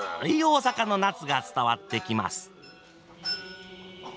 大阪の夏が伝わってきます。